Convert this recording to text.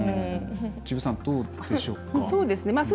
治部さん、どうでしょうか。